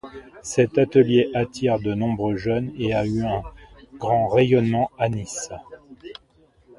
Cet atelier attire de nombreux jeunes et a eu un grand rayonnement à Nice.